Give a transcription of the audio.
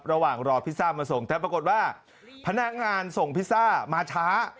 ระหว่างรอพิซซ่ามาส่งแต่ปรากฏว่าพนักงานส่งพิซซ่ามาช้า